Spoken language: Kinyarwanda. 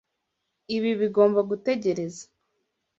Ibi bigomba gutegereza.